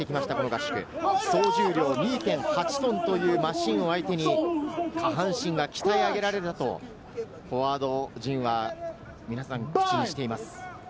合宿、総重量２．８ｔというマシーンを相手に、下半身が鍛え上げられたとフォワード陣は皆さん、口にしています。